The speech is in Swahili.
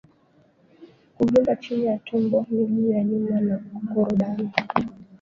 Kuvimba chini ya tumbo miguu ya nyuma na korodani